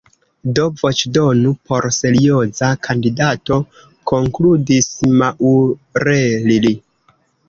Do voĉdonu por serioza kandidato, konkludis Maurelli.